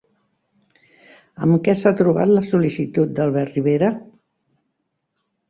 Amb què s'ha trobat la sol·licitud d'Albert Rivera?